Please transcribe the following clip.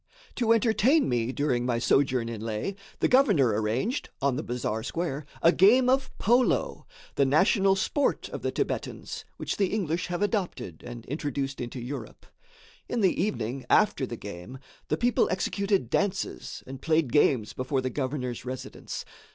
To entertain me, during my sojourn in Leh, the governor arranged, on the bazaar square, a game of polo the national sport of the Thibetans, which the English have adopted and introduced into Europe. In the evening, after the game, the people executed dances and played games before the governor's residence.